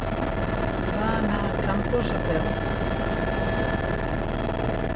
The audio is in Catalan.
Va anar a Campos a peu.